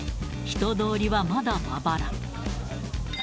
人通りはまだまばら。